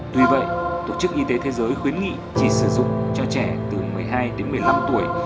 tuy vậy tổ chức y tế thế giới khuyến nghị chỉ sử dụng cho trẻ từ một mươi hai đến một mươi năm tuổi